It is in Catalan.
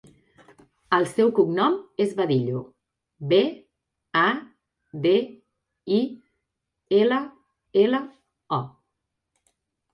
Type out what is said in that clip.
El seu cognom és Badillo: be, a, de, i, ela, ela, o.